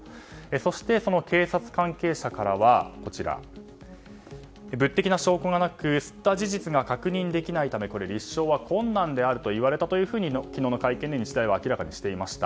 そして、その警察関係者からは物的な証拠がなく吸った事実が確認できないため立証は困難であると言われたと昨日の会見で日大は明らかにしていました。